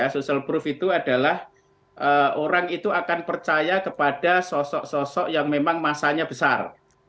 social proof itu adalah orang itu akan percaya kepada sosok sosok yang memang masanya besar